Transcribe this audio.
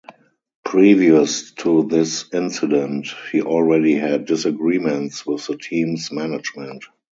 Previous to this incident, he already had disagreements with the team's management.